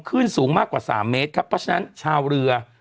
ขึ้นสูงมากกว่าสามเมตรครับเพราะฉะนั้นชาวเรือ